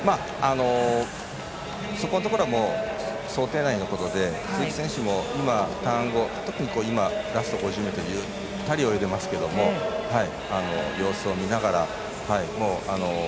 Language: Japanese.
そこのところは想定内のことで鈴木選手も今、ターン後特にラスト５０ｍはゆったり泳いでますけども様子を見ながら。